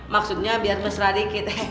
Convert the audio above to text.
maksudnya biar mesra dikit